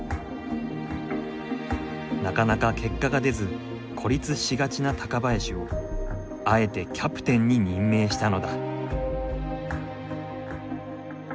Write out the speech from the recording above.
なかなか結果が出ず孤立しがちな高林をあえてキャプテンに任命したのだ。